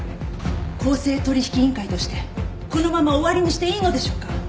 公正取引委員会としてこのまま終わりにしていいのでしょうか。